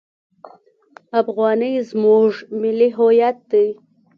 افغانۍ زموږ ملي هویت دی.